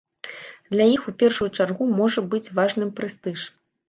Для іх у першую чаргу можа быць важным прэстыж.